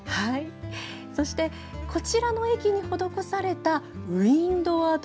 そしてこちらの駅に施されたウインドー